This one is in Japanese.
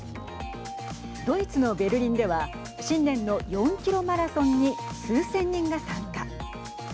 ドイツのベルリンでは新年の４キロマラソンに数千人が参加。